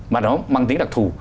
mà nó mang tính đặc thù